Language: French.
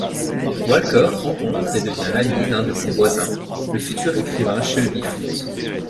Walker rencontre et devient l'ami d'un de ses voisins, le futur écrivain Shelby Foote.